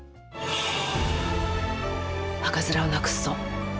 赤面をなくすぞ。